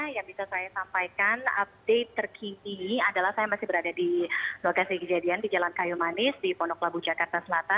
yang bisa saya sampaikan update terkini adalah saya masih berada di lokasi kejadian di jalan kayu manis di pondok labu jakarta selatan